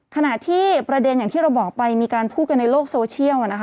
ขณะที่ประเด็นอย่างที่เราบอกไปมีการพูดกันในโลกโซเชียล